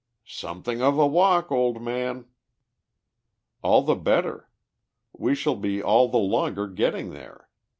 "Something of a walk, old man." "All the better. We shall be all the longer getting there.